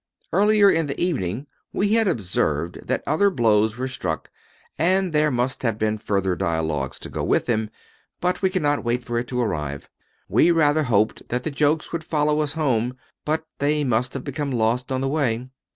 Earlier in the evening we had observed that other blows were struck and there must have been further dialogue to go with them, but we could not wait for it to arrive. We rather hoped that the jokes would follow us home, but they must have become lost on the way.